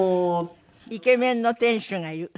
イケメンの店主がいる？